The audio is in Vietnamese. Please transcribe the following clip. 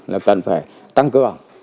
là cần phải tăng cường